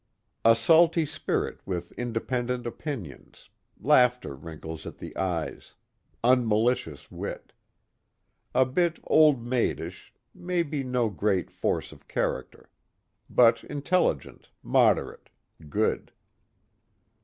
A salty spirit with independent opinions, laughter wrinkles at the eyes, unmalicious wit. A bit old maidish, maybe no great force of character. But intelligent, moderate, good.